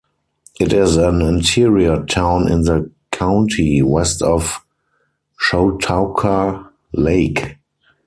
It is an interior town in the county, west of Chautauqua Lake.